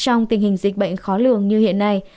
trong tình hình dịch bệnh khó lường như hiện nay